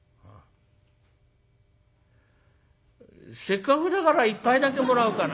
「せっかくだから一杯だけもらおうかな」。